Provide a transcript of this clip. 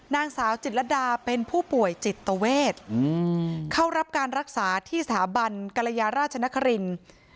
นางสาวจิตรดาเป็นผู้ป่วยจิตเวทเข้ารับการรักษาที่สถาบันกรยาราชนครินทร์